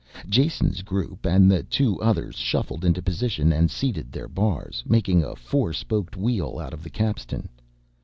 Jason's group, and the two others, shuffled into position and seated their bars, making a four spoked wheel out of the capstan.